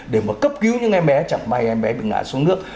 để mà cấp cứu những em bé chẳng may em bé bị ngã xuống nước